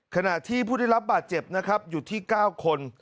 ขณะที่ผู้ได้รับบาดเจ็บนะครับอยู่ที่๙คน